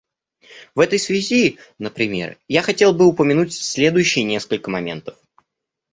В этой связи, например, я хотел бы упомянуть следующие несколько моментов.